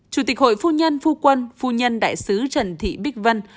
chủ tịch hội phu nhân phu quân phu nhân đại sứ trần thị bích vân